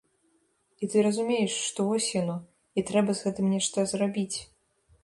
І ты разумееш, што вось яно, і трэба з гэтым нешта зрабіць.